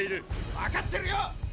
わかってるよ！